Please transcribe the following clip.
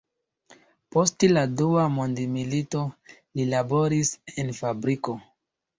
Post la dua mondmilito, li laboris en fabriko.